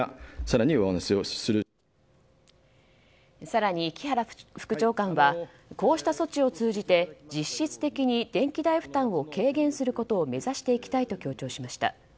更に木原副長官はこうした措置を通じて実質的に電気代負担を軽減することを目指していきたいと強調しました。